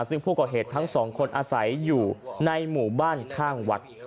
ซึ่งผู้ก่อเหตุทั้งสองคนอาศัยอยู่ในหมู่บ้านข้างวัด